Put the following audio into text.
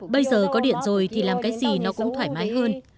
bây giờ có điện rồi thì làm cái gì nó cũng thoải mái hơn